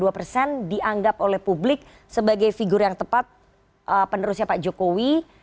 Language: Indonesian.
dua puluh dua persen dianggap oleh publik sebagai figur yang tepat penerusnya pak jokowi